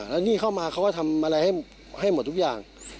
แล้วนี่เข้ามาเขาก็ทำอะไรให้หมดทุกอย่าง